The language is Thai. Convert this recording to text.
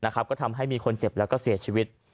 ก็ทำให้มีคนเจ็บแล้วก็เสียชีวิต